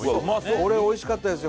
これ美味しかったですよ。